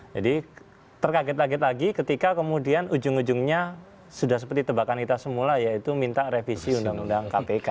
jadi terkaget kaget lagi ketika kemudian ujung ujungnya sudah seperti tebakan kita semula yaitu minta revisi undang undang kpk